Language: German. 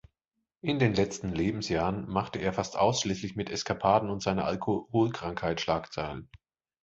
In den letzten Lebensjahren machte er fast ausschließlich mit Eskapaden und seiner Alkoholkrankheit Schlagzeilen.